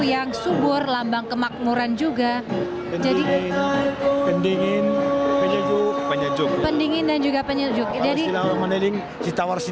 yang subur lambang kemakmuran juga jadi ketinginan juga penyedut jadi si tawar si dingin si tawar si